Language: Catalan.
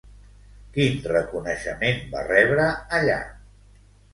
Quin reconeixement va rebre allà?